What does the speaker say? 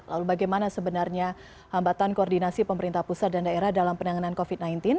lalu bagaimana sebenarnya hambatan koordinasi pemerintah pusat dan daerah dalam penanganan covid sembilan belas